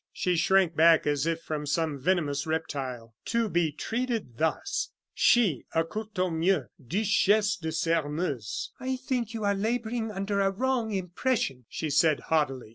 She shrank back as if from some venomous reptile. To be treated thus! she a Courtornieu Duchesse de Sairmeuse! "I think you are laboring under a wrong impression," she said, haughtily.